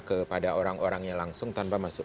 kepada orang orangnya langsung tanpa masuk